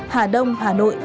hà đông hà nội